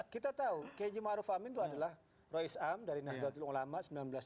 kita tahu kejimahruf amin itu adalah rois am dari nahdlatul ulama seribu sembilan ratus dua puluh enam